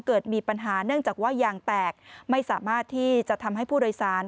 เกิดมีปัญหาเนื่องจากว่ายางแตกไม่สามารถที่จะทำให้ผู้โดยสาร